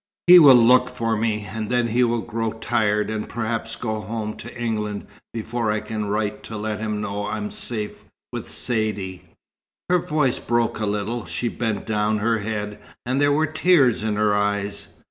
He will look for me, and then he will grow tired, and perhaps go home to England before I can write to let him know I am safe with Saidee." Her voice broke a little. She bent down her head, and there were tears in her eyes.